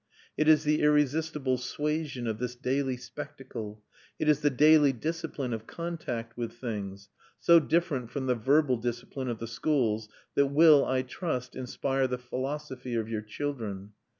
It is the irresistible suasion of this daily spectacle, it is the daily discipline of contact with things, so different from the verbal discipline of the schools, that will, I trust, inspire the philosophy of your children.